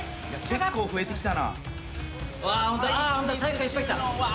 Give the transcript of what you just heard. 結構増えてきた！